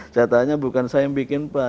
catatannya bukan saya yang bikin pak